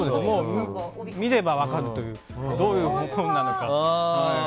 見れば分かるというどういう本なのか。